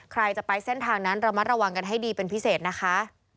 ใครจะไปเส้นทางนั้นระมัดระวังกันให้ดีเป็นพิเศษนะคะ